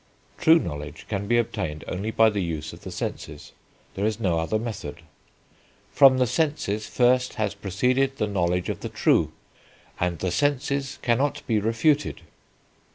True knowledge can be obtained only by the use of the senses; there is no other method. "From the senses first has proceeded the knowledge of the true, and the senses cannot be refuted.